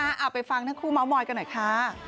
เอาไปฟังทั้งคู่เมาส์มอยกันหน่อยค่ะ